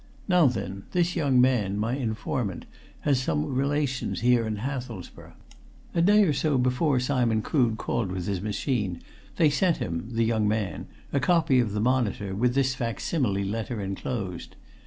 Now then, this young man, my informant, has some relations here in Hathelsborough; a day or so before Simon Crood called with his machine, they sent him the young man a copy of the Monitor with this facsimile letter enclosed.